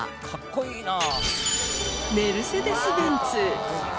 メルセデスベンツ。